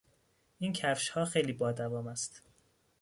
این کفشها خیلی با دوام است.